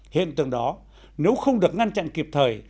hiện tượng đó nếu không được ngăn chặn kịp thời